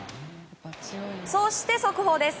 そして速報です。